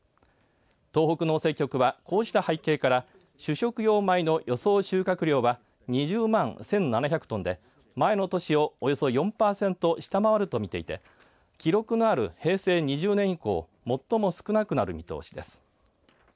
東北農政局は、こうした背景から主食用米の予想収穫量は２０万１７００トンで前の年をおよそ４パーセント下回ると見ていて記録がある平成２０年以降最も少なくなる見通しです。